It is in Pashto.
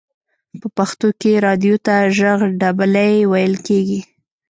په پښتو کې رادیو ته ژغ ډبلی ویل کیږی.